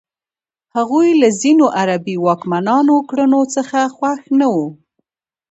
هغوی له ځینو عربي واکمنانو کړنو څخه خوښ نه وو.